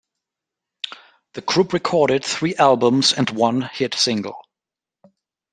The group recorded three albums and one hit single.